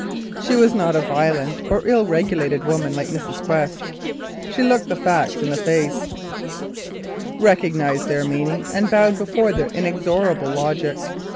She was not a violent or ill regulated woman like Mrs. Quest. She looked facts in the face, recognised their meaning and bowed before their inexorable logic.